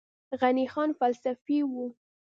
غني خان فلسفي و